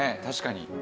確かに。